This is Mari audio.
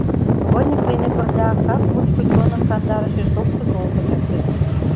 Выньык дене пырля кап мучко чоным кандарыше шокшо толкын эртыш.